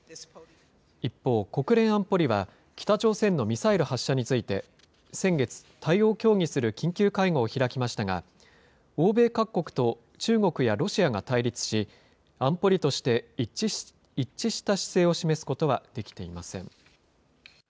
一方、国連安保理は、北朝鮮のミサイル発射について先月、対応を協議する緊急会合を開きましたが、欧米各国と中国やロシアが対立し、安保理として一致した姿勢を示すことはできていません。